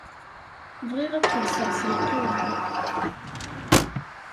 Bɣiɣ ad xellṣeɣ s lqebḍ.